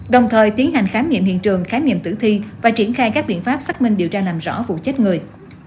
đồng thời tiến hành khám nghiệm hiện trường khám nghiệm tử thi và triển khai các biện pháp xác minh điều tra làm rõ vụ chết người